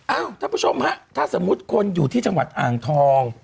ท่านผู้ชมฮะถ้าสมมุติคนอยู่ที่จังหวัดอ่างทอง